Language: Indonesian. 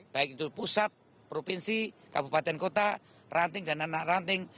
baik itu pusat provinsi kabupaten kota ranting dan anak ranting